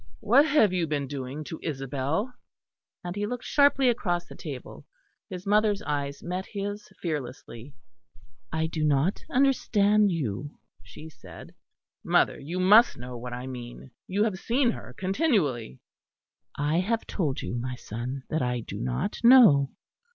What have you been doing to Isabel?" And he looked sharply across the table. His mother's eyes met his fearlessly. "I do not understand you," she said. "Mother, you must know what I mean. You have seen her continually." "I have told you, my son, that I do not know."